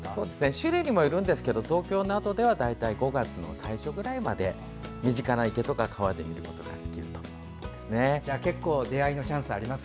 種類にもよるんですが東京などでは大体５月の最初ぐらいまで身近な池とか川で見ることができると思います。